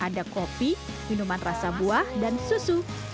ada kopi minuman rasa buah dan susu